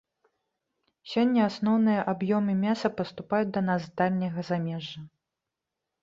Сёння асноўныя аб'ёмы мяса паступаюць да нас з дальняга замежжа.